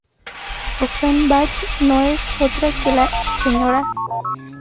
Offenbach, no es otra que la Sra.